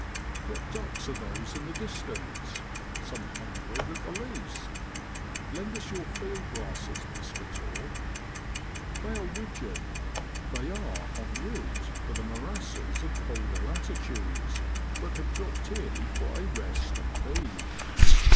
What ducks are those in the distance some hundred at the least ? Lend us your field glasses, Piscator. They are widgeon. They are en route for the moras ses of colder latitudes, but have dropped in for a rest and feed.